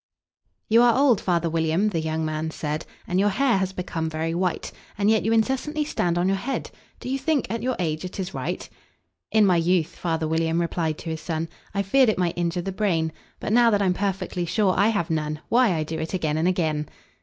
"YOU are old, father William," the young man said, "And your hair has become very white; And yet you incessantly stand on your head Do you think, at your age, it is right? "In my youth," father William replied to his son, "I feared it might injure the brain; But, now that I'm perfectly sure I have none, Why, I do it again and again."